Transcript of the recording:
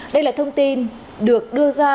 đây là thông tin được đưa ra